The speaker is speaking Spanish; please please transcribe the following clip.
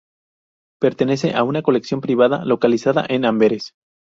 Pertenece a una colección privada localizada en Amberes.